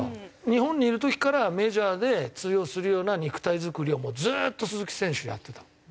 日本にいる時からメジャーで通用するような肉体作りをずっと鈴木選手やってた。